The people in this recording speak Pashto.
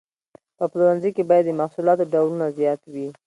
په پلورنځي کې باید د محصولاتو ډولونه زیات وي.